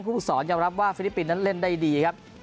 ผู้สอนยอมรับว่าฟิลิปปินส์นั้นเล่นได้ดีครับ